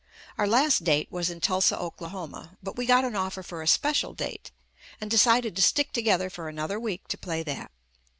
Our last date was in Tulsa, Oklahoma, but we got an offer for a special date, and decided to stick together for another week to play that.